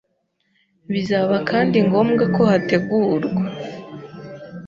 Bizaba kandi ngombwa ko hategurwa